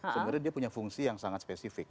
sebenarnya dia punya fungsi yang sangat spesifik